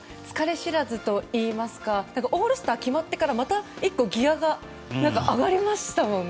知らずといいますかオールスター決まってからまた１個ギアが上がりましたもんね。